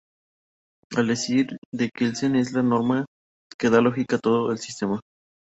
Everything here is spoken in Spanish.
Al decir de Kelsen, es la norma que da lógica a todo el sistema.